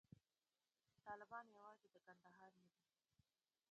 طالبان یوازې د کندهار نه دي.